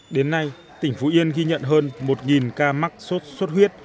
đến nay tỉnh phú yên ghi nhận hơn một ca mắc suốt suốt huyết